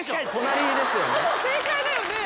ほぼ正解だよね。